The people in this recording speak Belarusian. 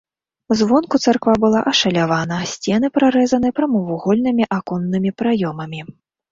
Звонку царква была ашалявана, сцены прарэзаны прамавугольнымі аконнымі праёмамі.